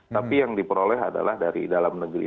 tapi yang diperoleh adalah dari dalam negeri